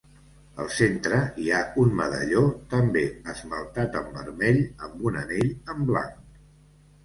Al centre hi ha un medalló, també esmaltat en vermell amb un anell en blanc.